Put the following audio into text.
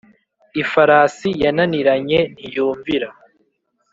Ifarasi yananiranye, ntiyumvira,